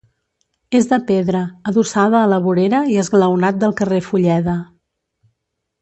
És de pedra, adossada a la vorera i esglaonat del carrer Fulleda.